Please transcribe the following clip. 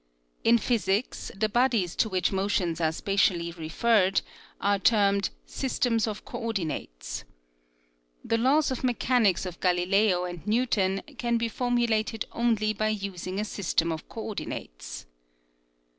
In physics the bodies to which motions are spatially referred are termed sys tems of coordinates. The laws of mechanics of Galileo and Newton can be formulated only by using a system of coordinates.